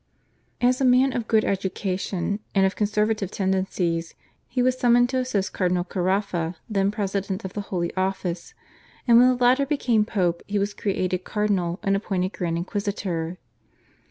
As a man of good education and of conservative tendencies he was summoned to assist Cardinal Caraffa, then president of the Holy Office, and when the latter became Pope he was created cardinal and appointed Grand Inquisitor.